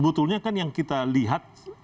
sebetulnya kan yang kita lihat